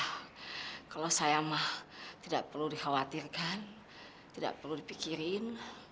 karena kalau saya mah tidak perlu dikhawatirkan tidak perlu dipikirin